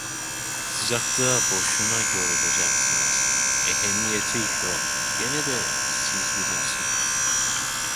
Sıcakta boşuna yorulacaksınız! Ehemmiyeti yok! Gene de siz bilirsiniz…